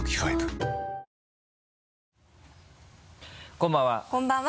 こんばんは。